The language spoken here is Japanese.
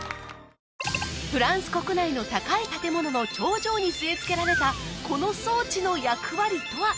フランス国内の高い建物の頂上に据え付けられたこの装置の役割とは？